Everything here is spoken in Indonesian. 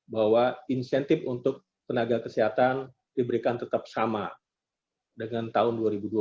bahwa insentif untuk tenaga kesehatan diberikan tetap sama dengan tahun dua ribu dua puluh